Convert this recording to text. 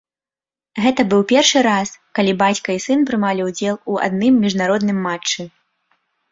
Гэта быў першы раз, калі бацька і сын прымалі ўдзел у адным міжнародным матчы.